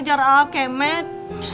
biar ngejar a'a kemet